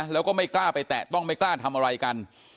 แล้วก็ไม่กล้าไปแตะต้องไม่กล้าทำอะไรกัน